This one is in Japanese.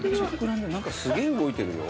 なんかすげえ動いてるよ。